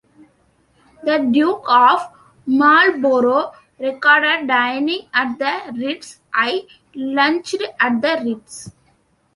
The Duke of Marlborough recorded dining at the Ritz; I lunched at the Ritz.